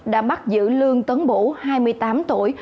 đã bắt giữ lương tấn bổ hai mươi tám tuổi